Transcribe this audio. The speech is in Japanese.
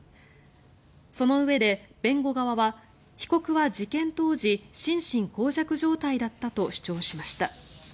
そのうえで弁護側は被告は事件当時心神耗弱状態だったと主張しました。